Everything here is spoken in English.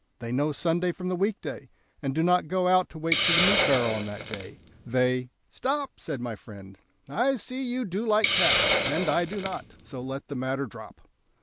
They know Sunday from the week day, and do not go out to wait for the meat barrow on that day; they " "Stop," said my friend, "I see you do like cats, and I do not, so let the matter drop."